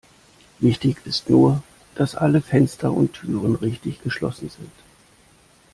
Wichtig ist nur, dass alle Fenster und Türen richtig geschlossen sind.